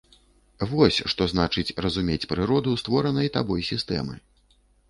Вось што значыць разумець прыроду створанай табой сістэмы!